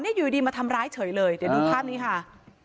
เดี๋ยวดูภาพนี้ค่ะ